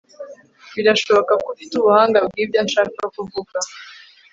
Birashoboka ko ufite ubuhanga bwibyo nshaka kuvuga